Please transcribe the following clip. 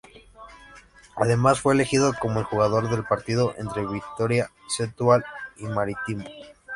Además fue elegido como el jugador del partido entre Vitória Setúbal y Marítimo.